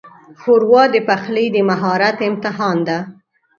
ښوروا د پخلي د مهارت امتحان ده.